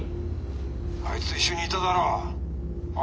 あいつと一緒にいただろ？は？